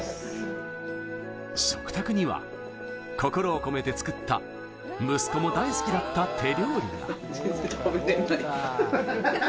食卓には心を込めて作った息子も大好きだった手料理が。